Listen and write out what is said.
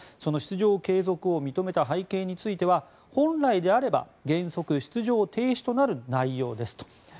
出場継続を認めた背景については本来であれば原則出場停止となる内容ですと。